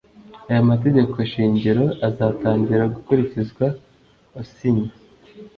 aya mategeko shingiro azatangira gukurikizwa asinywe